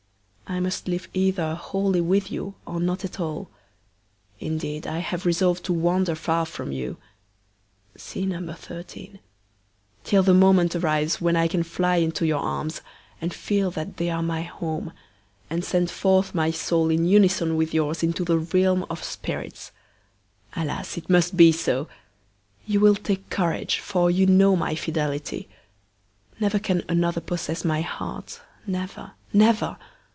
I must live either wholly with you, or not at all. Indeed I have resolved to wander far from you [see No. 13] till the moment arrives when I can fly into your arms, and feel that they are my home, and send forth my soul in unison with yours into the realm of spirits. Alas! it must be so! You will take courage, for you know my fidelity. Never can another possess my heart never, never!